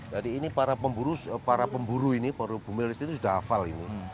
jadi ini para pemburu ini bumil resti itu sudah hafal ini